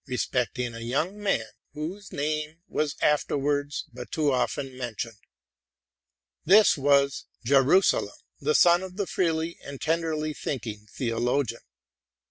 respecting a young man whose name was afterwards but too often mentioned. This was Jerusalem, the son of the freely and tenderly thinking theologian.